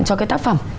cho cái tác phẩm